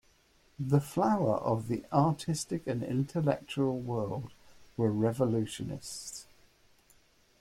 The flower of the artistic and intellectual world were revolutionists.